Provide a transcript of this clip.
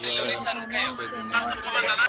د کار مزد څنګه ورکول کيده؟